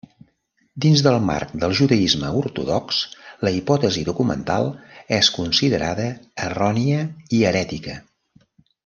Dins del marc del judaisme ortodox, la hipòtesi documental és considerada errònia i herètica.